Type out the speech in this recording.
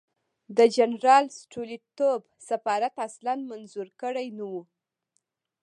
د جنرال سټولیتوف سفارت اصلاً منظور کړی نه وو.